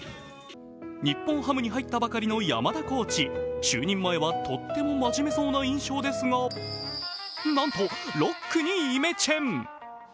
日本ハムに入ったばかりの山田コーチ、就任前はとっても真面目そうな印象ですがなんと、ロックにイメチェン。